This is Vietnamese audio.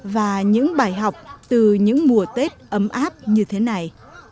và những bài học từ những mùa tết ấm áp như thế này